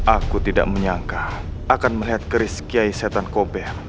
aku tidak menyangka akan melihat geris kiai setan kober